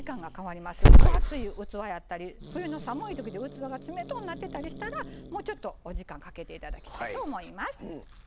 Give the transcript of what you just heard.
分厚い器やったり冬の寒い時で器が冷とうなってたりしたらもうちょっとお時間かけて頂きたいと思います。